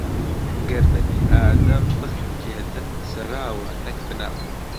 گەر بەنی ئادەم بخنکێتن، سەراوە نەک بناو